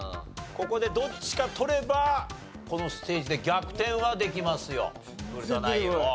ここでどっちか取ればこのステージで逆転はできますよ古田ナインを。